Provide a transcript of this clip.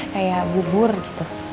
kayak bubur gitu